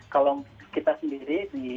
kalau kita sendiri